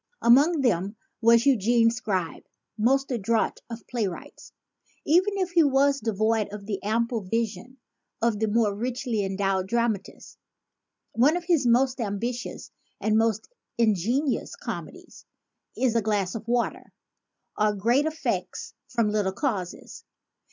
Among them was Eugene Scribe, most adroit of play wrights even if he was devoid of the ample vision of the more richly endowed dramatists. One of his most ambitious and most ingenious comedies is *A Glass of Water; or Great Effects from Little Causes.